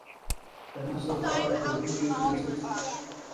د نثر په اړه پوهیږئ چې نثر څه ته وايي.